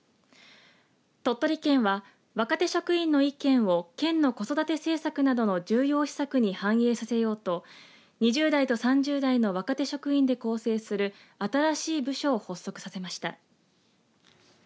鳥取県は若手職員の意見を県の子育て政策などの重要施策に反映させようと２０代と３０代の若手職員で構成する新しい部署を発足させました。